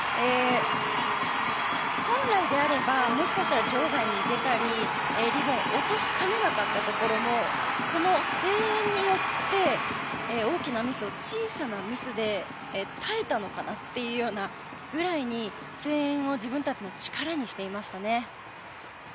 本来であればもしかしたら場外に出たりリボンを落としかねなかったところもこの声援によって大きなミスを小さなミスで耐えたのかなというようなぐらいに声援を自分たちの力にしていましたね。